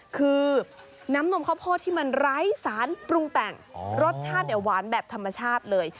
คือน้ำนมข้าวโพดที่มันไร้สารปรุงแต่งรสชาติเนี่ยหวานแบบธรรมชาติเลย